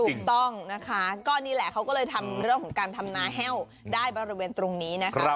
ถูกต้องนะคะก็นี่แหละเขาก็เลยทำเรื่องของการทำนาแห้วได้บริเวณตรงนี้นะครับ